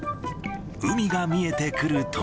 海が見えてくると。